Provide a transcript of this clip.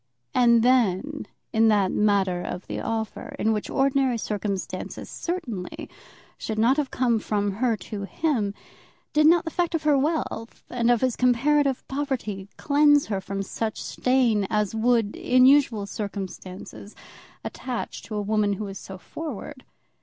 And then, in that matter of the offer, which in ordinary circumstances certainly should not have come from her to him, did not the fact of her wealth and of his comparative poverty cleanse her from such stain as would, in usual circumstances, attach to a woman who is so forward?